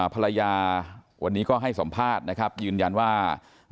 ภรรยาวันนี้ก็ให้สัมภาษณ์นะครับยืนยันว่า